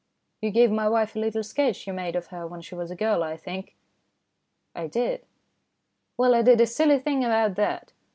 " You gave my wife a little sketch you made of her when she was a girl, I think ?"" I did." "Well, I did a silly thing about that.